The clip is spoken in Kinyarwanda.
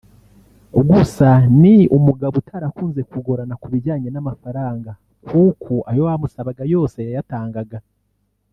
gusa ni umugabo utarakunze kugorana ku bijyanye n’amafaranga kuko ayo bamusabaga yose yayatangaga